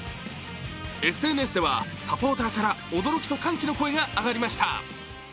ＳＮＳではサポーターから驚きと歓喜の声が上がりなした。